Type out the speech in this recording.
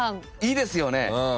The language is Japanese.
「い」ですよね。